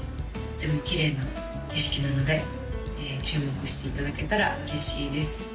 とてもきれいな景色なので注目していただけたら嬉しいです